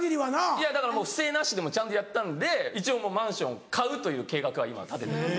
いやだからもう不正なしでちゃんとやったんで一応もうマンション買うという計画は今立ててます。